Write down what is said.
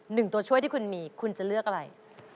ตัวช่วยที่คุณมีคุณจะเลือกอะไร